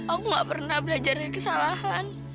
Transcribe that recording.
aku gak pernah belajar dari kesalahan